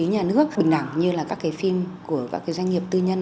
kinh phí nhà nước bình đẳng như là các cái phim của các cái doanh nghiệp tư nhân